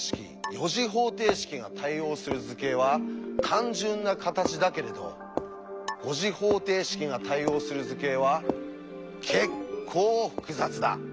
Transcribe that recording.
４次方程式が対応する図形は単純な形だけれど５次方程式が対応する図形はけっこう複雑だ。